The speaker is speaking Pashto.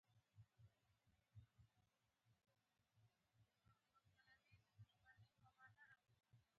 غاله خواره د غالۍ ارزښت ته پام کوي.